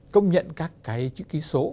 công nhận các cái chữ ký số